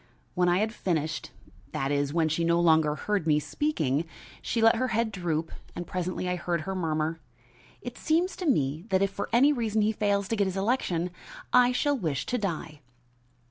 When I had finished that is, when she no longer heard me speaking she let her head droop and presently I heard her murmur: "It seems to me that if for any reason he fails to get his election I shall wish to die."